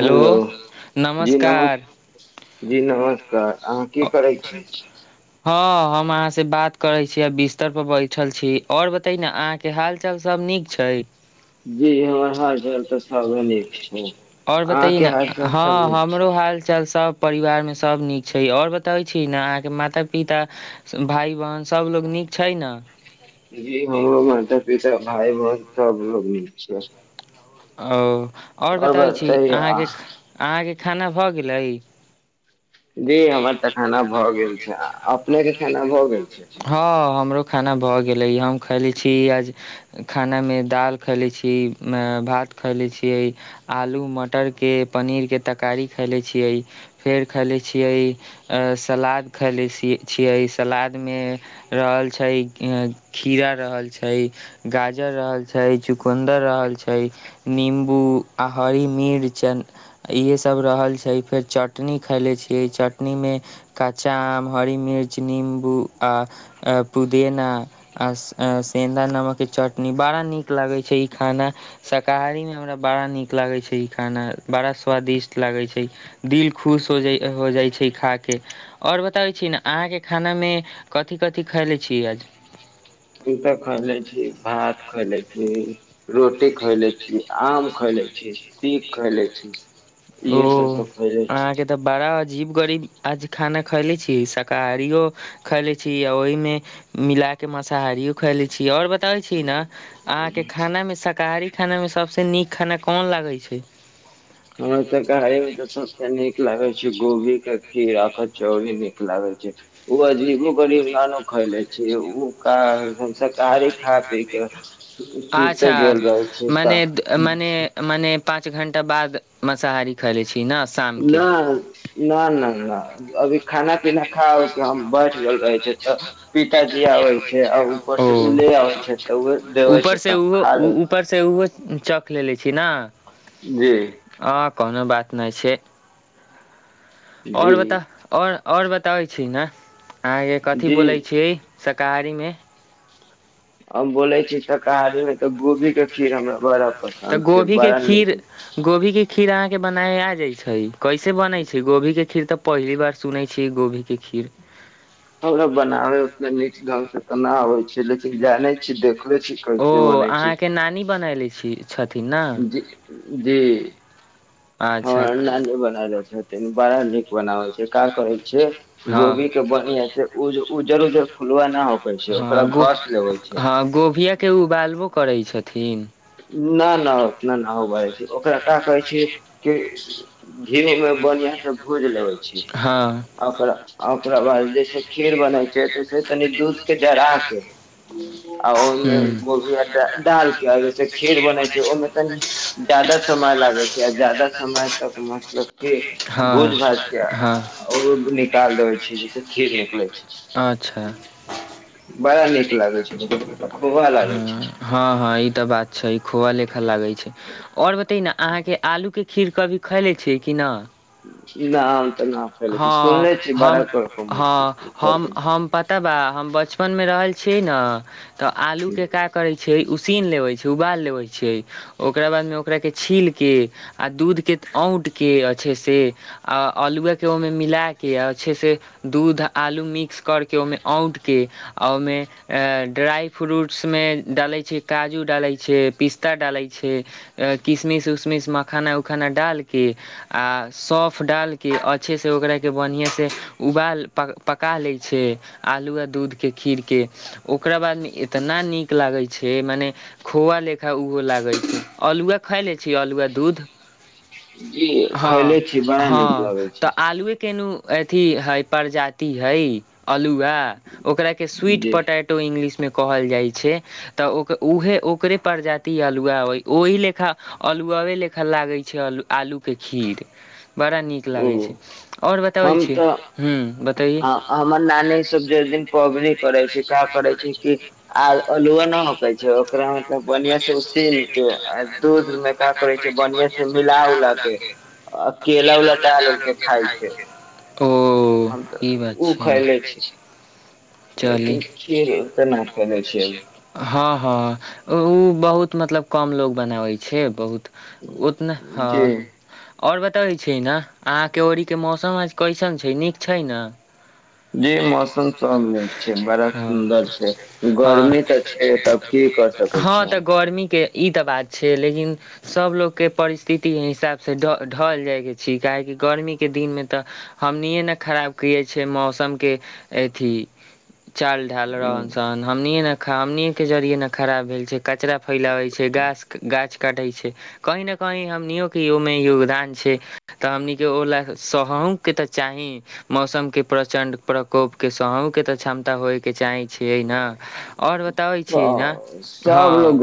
Hello जी नमस् जी नमस्कार अहाँ की करै छी। हँ हम अहाँ से बात करै छी आ बिस्तर पर बैठल छी और बते न अहाँ के हाल चाल सब नीक छै। जी हमर हाल चाल तऽ सब। आओर बत न हँ हमरो हाल चाल। सभ परिवारमे सभ नीक छै आओर बतबै छी ने अहाँके माता पिता भाइ बहिन सभलोग नीक छै ने। जी हमरो माता पिता भाय बहन सबो। अच। आ। आओर बताबै छी अहाँके अहाँके। खाना भऽ गेलै। हँ हमरो। खाना भऽ गेलै हम खैले छी आज खानामे दालि खैले छी भात। खयले छियै आलू मटरके पनीरके तरकारी खयले छियै फेर खयले छियै सलाद खयले सियै छियै सलादमे रहल छै खीरा रहल छै गाजर रहल छै चुकन्दर रहल छै। नम्बू आ हरी मिर्च इहे सब रहल छै फेर चटनी खैले छियै चटनीमे कच्चा आम हरी मिर्च निम्बू आ पुदेना आ सेधा नमकके चटनी बड़ा नीक लगै छै ई खाना। कहहारीमे हमरा बड़ा नीक लागै छै ई खाना बड़ा स्वादिष्ट लागै छै दिल खुश हो हो जाइ छै खाके आओर बताबै छी ने अहाँके खानामे कथी कथिी खैले छी आज। जूता खए ले छी भात खए ले छी। रोटी खय ले छी, आम खएले छी, सीख खाय ले छी। अ्ी! ओ अहाँके तऽ बड़ा! अजीब गरीब आज खाना खैले छी शाकाहारियो खैले छी आ ओहिमे मिलााक मसाहारियो खैले छी आओर बतबै छी ने अहाँके खाना मे शाकाहारी खाना मे सबसँ नीक खाना कोन लागै छै। हमरा तरकारी मे त सबसे नीक लागे छै गोभी के खीर। चौरी निक लागे छै। [unintelligible] अच्छा मने मने मने! पाँच घंटा बाद माँसाहारी खैले छी। न न न नह अभी खाना पीना खाउ कि हम बस। [unintelligible] [unintelligible] ओ उपर से उहो उपर सऽ उहो! चक लेेले छी न! आ [inaudible] कोनो बात नै छै। आओर बता आओर! आओर बताबै छी ने! अहाँ य कथि बोलै छीयै [unintelligible] कारीमे! हम बोले छी शाकाहारी मे, तऽ गोभी के खीर हमरा बड़ा पसन्द छै, बड़ा नीक हइ छै। खीर अहाँके बनाय आ जाइ छै, कैसे बनै छै, गोभीके खीर तऽ पहली बार सुनै छी, गोभीके खीर? हमरा बनाब ओत नीक सऽ तऽ न होय [unintelligible] छै। [unintelligible] [unintelligible] ओ अहाँके नानी बनैले छी! [inaudible] जी जी। हँ नानी बना द [inaudible] अ [unintelligible] [unintelligible] ग ह ह गोभियक! के उबालबो करै छथि। न नह ओतना नहि, ओ बाजै छै ओकरा क कहै छी, कि घी मे! बढ़िया स भूज लेबे छी, आ ओकरा बाद जैसे खीर बनै छै, तैसेऽ तनी दूध के जरा के, आ ओहिमे गोभी या डाल के! खीर बनै छै, ओहिमे तनी जादा समय लागे छै, आ जादा समय तक मतलब की! भोज- भात के ओ निकाल देबे छै जैसे खीर निकले छै बड़ा नीक लागे छै देखे खुआ लागे छै। छै। खोआ लेख लागै छै आओर ब। अहाँके आलू के खीर कभी खै लै छियै कि न? ह हम ह हम पता बा बच! बचपन में रहल छी ने! तऽ आलू के का करे छै, उसीन लेवे छै। उबाल लेबै छ ओकरा बादमे ओकरा छीलके आ दूधके औट। अच्छे से आ आलूएके ओहिमे मिलाके आ अच्छे से दूध आलू मिक्स करके ओहिमे औंटके आ ओहिमे ड्राइ फ्रूट्समे डालै छै काजू डालै छै पिस्ता डालै छै किशमिश उशमिश मखाना उखाना डालकेऽ। आ सॉफ डालके अच्छे से ओकराके बढ़िआँसँ उबाल पक पका लै छै आलूआ दूधके खीरके ओकरा बादमे इतना नीक लागै छै मने खोआ लेखा ओहो लागै छै अल्लहुआ खाए लै छी अल्लहुआ दूध। जी खैले छीय बड़ा नीक लगै छै। अथ हइ प्रजाति हइ अल्हुआ ओकरा। स्वीट पोटैटो इंग्लिशमे को। कहल जाइ छै तऽ ओ उहे ओकरे प्रजाति अल्हुआ अइ ओहि लेखा अल्हुआएे लेखऽ लागै छै आलू। के खीर बड़ा नीक लागै छै। हम तऽ हमर नानी सब जस दिन पबनी करे छी का करे छै कि आ अलुआ न होक छै ओकरा मतलब बढ़िया से उसीन के दूध मे का करे छै बढ़िया से मिला उला के। आ केल उला डाल उलके खाइ छै। तऽ हम तऽ ओ खयले छी। चल हँ हँ ओ बहुत। बहुत मतलब कम लोग बनाबे छै बहुत। ओत ने हँ। ओर बतबै छै ने अहाँके ओरीक के मौसम आज कैसन छै नीक छै ने। जी मौसम सब नीक छै बड़ा सुन्दर छै गर्मी तऽ छै तब की कर सकैत छीय हम। ई तऽ बात छै लेकिन सबलोगके परिस्थिति हिसाब। से ढ ढल जाइके छी काहेकि गर्मीके दिनमे तऽ हमनिए ने खराब कियै छिय मौसमके अथी। चाल ढाल रहन सन हमनिे नेा हम के जरिये न। खराब भेल छै। कचरा फैलावे छै गाछ गाछ। कटै छै कही ने कहीं हम नियोग। ओहि मे योगदान छै तऽ हमन के ओ ले स के ते चाही मौसम के प्रचंड प्रकोप के स के तऽ क्षमता होय के चाही। आओर बताबै छियै ने हँ।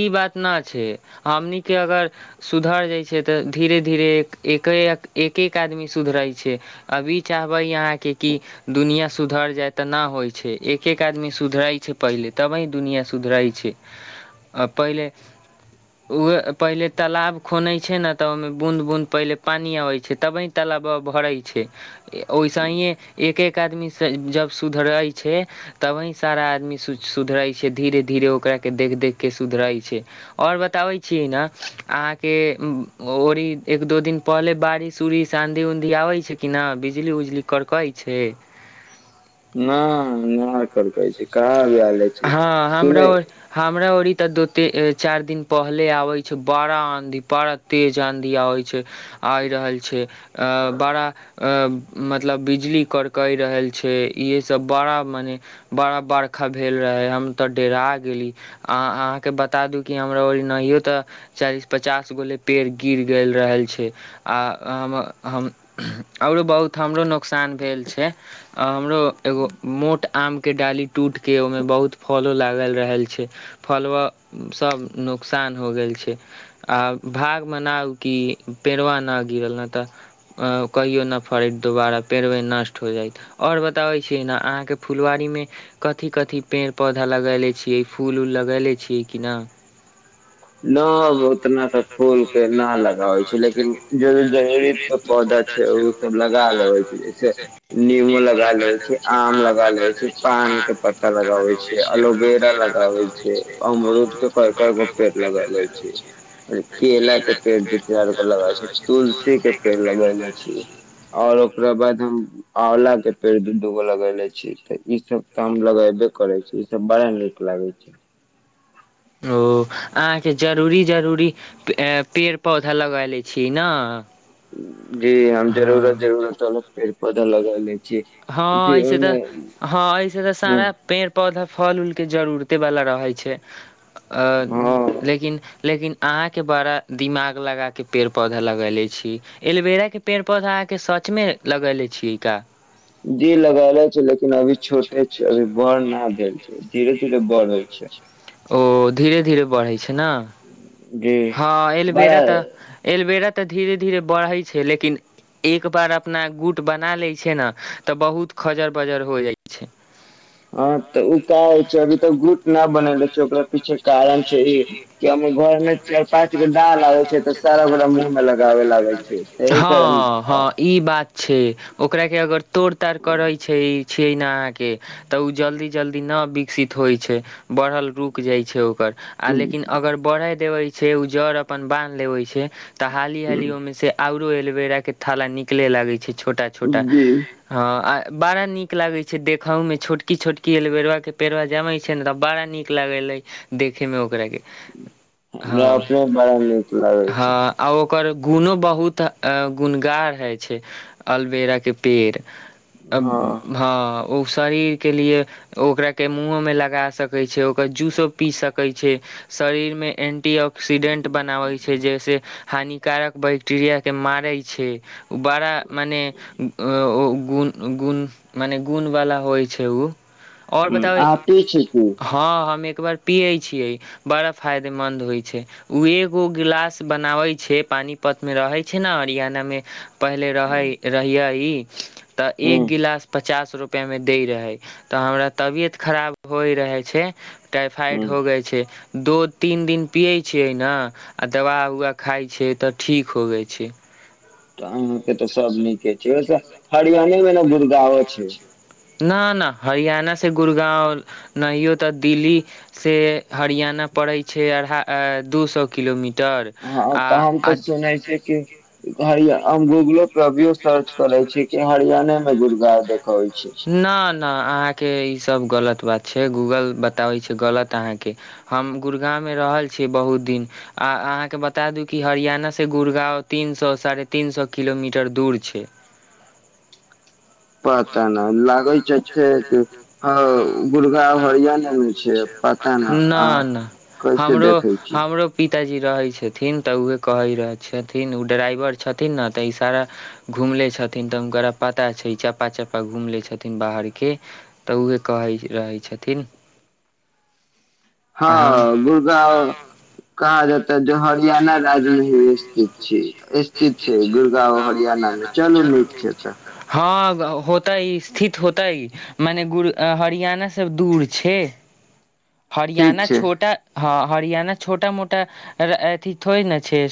ई बात नहि छै हमनीके अगर सुधर जाइ छै तऽ धीरे धीरे एक एक एक आदमी सुधरै छै अभी चाहबै अहाँके कि दुनिआ सुधर जाइ तऽ नहि होइ छै एक एक आदमी सुधरै छै पहिले तब ही दुनिआ सुधर छै। आ पहिले ओ पहिले तालाब खुनै छै ने तऽ ओहिमे बून्द बूद पहिले पानि अबै छै तबी तलााब भरै छै ओइसेहिए एक एक आदमी जब सुधरै छै तबी सारा आदमी सुधरै छै धीरे धीरे ओकराके देख- देख। के सुधरै छै आओर बताबै छी ने अहाँके ओड़ एक दू दिन पहिले बारिश उरिश आँधी उँधी आबै छै कि नहि बिजली उजली करकै छै। हँ हमरा ओ। त दो तीन चार दिन पहले आवे छै बड़ा आंधी बड़ा तेज आंधी आवे छै। आइ रहल छै बड़ा। मतलब बिजली कड़कइ रहल छै इहे सब बड़ा मने बड़ा बरखा भेल रहै हम तऽ डेरा गेली आ। अहाँके बता दू कि हमरा ओ एनाहियो तऽ चालीस पचास गोले पेड़ गिर गेल रहल छै आ हम आओरो बहुत हमरो। नुकसान भेल छै आ हमरो एगो मोट आम। के डाली टूट के ओहिमें बहुत फलो लागल रहल छै। फलवा सब नुकसान हो गेल छै आ भाग मनाउ कि पेड़वा ना गिरल न तऽ कहियो न फड़ैत दोबारा पेड़वा नष्ट हो जाइत ओर बताबै छियै ने अहाँके फुलवारीमे कथी कथी पेड़ पौधा लगेले छियै फूल उल।। लेले छी कि न। न उतना तऽ फूल के न लगाबे छै लेकिन जे जरूरी के पौधा छै उ सब लगा लेबे छै जैसे नींबू लगा लेवे छै आम लगा लेवे छै पान के पत्ता लगावे छै एलोवेरा लगाबे छै। अमरूद के कइ कइ गो। पेड़ लगेेले छी केला के पेड़ दु चार गो लगे अछी तुलसी के पेड़ लगेेले अछी और ओकरा बाद आंवला के पेड़ दु दु गो लगेेले अछी। तऽ ई सब काम लगाइबे करै छी। तऽ बड़ा निक लगाई छी। ओ अहाँ के जरूरी जरूरी पेड़ पौधा लगेले छी ने। जी हम जरूरत जरूरत तानु फेर। बधा लागेली। हँ ऐसे तऽ हँ ऐसे तऽ सारा पेड़ पौधा। फल ऊलके जरूरते वाला रहै छै। अ लेकिन- लेकिन।। अहाँ के बड़ा दिमाग लगााके पेड़ पौधा लगैले छी एलोवेरा के पेड़ पौधा अहाँ के सच में लगैले छी का। जी लगले छै लेकिन अभी छोटे छै अभी बड़ न भेल छै धीरे धीरे बड़ होइ छै। ओ धीरे -धीरे बड़ई छै। हँ हँ एलोवेरा त एलोवेरा। धीरे धीरे बरई छै लेकिन एक बार अपना गुट बना ले छै न। तऽ बहुत खजर बजर हो जाइ छै। बने छैक पी कार छै पाँच गो डालार गो ह ह ई बात छै। ओकरा के अगर। तोड़ तड़ करै छै। छिय न। के तऽ ओ जल्दी। जल्दी नहि विकसित होइत छै बढ़ल। रुक जाय छै ओकर आ लेकिन अगर बढ़ई देबे। छै ओ जड़ अपन बान्ह लेबे छै। त हाली हालिय ओमे से आउ। एलोवेरा के थाला निकले लागे छै छोटा -छोटा। बड़ा नीक लागै छै देखहोमे छोटकी छोटकी अलबेरुआके पेरवा जमै छै ने तऽ बड़ा नीक लागलै देखैमे ओकराके। हमरा अप अपने बड़ा नीक लागै छै। ओकर गुणो बहुत गुणगार होइ छै अलवेराके पेड़। अ हँ। ओ शरीर के लिए ओकरा के मुह में लगा सकै छै। ओकर जूसो पी सकैत छै। शरीरमे एन्टी ऑक्सीडेन्ट बनाबै छै जाहिसँ हानिकारक बैक्टीरियाके मारै छै बड़ा मने। गुण गुण मने गुणवला होइ छै ओ। आओर बताब हँ ह एक। एकबार पियै छियै बड़ा फायदेमन्द होइ छै ओ एगो गिलास बनाबै छै पानि पतमे रहै छै ने आ हरियाणा में। पहिले रहै रहियै ई। तऽ एक गिलास पचास। रुपैआमे दै रहै तऽ हमरा तबियत खराब होइ रहै छै। टाइफाइड होगइ छै। दू तीन दिन पियै छियै ने आ दवा उवा खाइ छैियै तऽ ठीक हो गेलइ छै। तऽ अहाँके तऽ सब नीके छै वैस। हरियाणीने में नई गुरुवाओ छै। न -न हरियाणासँ गुड़गाँव नहियो तऽ दिल्लीसँ हरियाणा पड़ैत छै अढ़ाइ दू सए किलोमीटर। हँ तऽ हम तऽ सुनै छिय कि हैय। आम गूगुलत। अभियो सर्च करै छै कि हरियाणे मे गुड़गा देखबै छै। न आहाँ के ई अब गलत बात छै गूगल बताबे छैय गलत आहा के हम गुड़गांव रहल छी बहुत दिन अहाँ के बता दु की हरियाणा से गुड़गांव तीन सौ साढ़े तीन सौ किलोमीटर छैय। दूर छै। पता नहि लागै छै -। छै ह गुड़गाव हरियाणे मे छै पता नहि न न हमरो पी पिताजी रहै छथिन तऽ उऊहे कहै रह छथिन ओ ड्राइवर छथिन ने तऽ इ सारा घुमले छथिन तऽ हुनकरा पता छै चाप। पप्पा चप्पा घुम लै छथिन बाहरके तऽ उह कहै रहै छथिन। हँ गुड़गाव कहाँ जेत। तऽ जो हरियाणा राज्य मे ही स्थित छै स्थित छै गुड़गांव हरियाणा मे चलू नीक छै तऽ। हँ होतै स्थित होतै मने हरियाणा सब दूर छै। हरियाणा छोटा हँ। हरियाणा छोटा मोटा। अर रे थोड़ी ने छै